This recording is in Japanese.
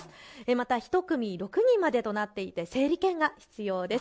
また１組６人までとなっていて、整理券が必要です。